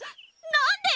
何で？